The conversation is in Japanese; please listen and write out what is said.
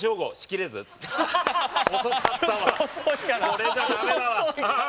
これじゃ駄目だわ。